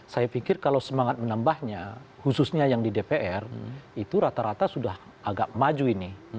saya pikir kalau semangat menambahnya khususnya yang di dpr itu rata rata sudah agak maju ini